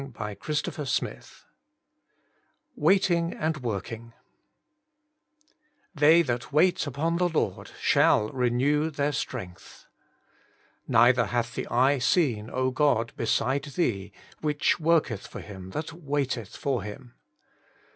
— i Pet. iv. II 157 WORKING FOR GOD I Maltina an& MotWng * They that wait upon the Lord shall renew their strength. Neither hath the eye seen, O God, beside Thee, which worketh for him that waiteth for Him.'